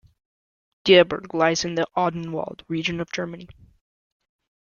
Dieburg lies in the Odenwald region of Germany.